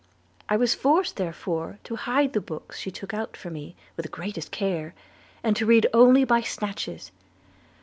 I was forced therefore to hide the books she took out for me with the greatest care, and to read only by snatches.